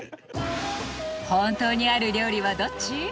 本当にある料理はどっち？